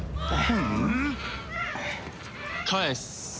返す。